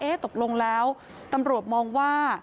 ตกลงแล้วตำรวจมองว่า